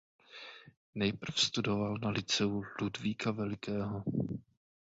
Nejprve studoval na Lyceu Ludvíka Velikého.